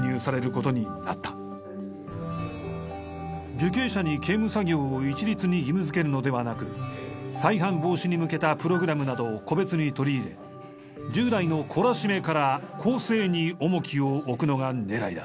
受刑者に刑務作業を一律に義務づけるのではなく再犯防止に向けたプログラムなどを個別に取り入れ従来の「懲らしめ」から「更生」に重きを置くのが狙いだ。